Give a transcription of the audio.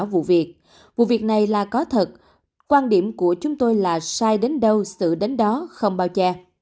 vụ việc này là có thật quan điểm của chúng tôi là sai đến đâu sự đến đó không bao che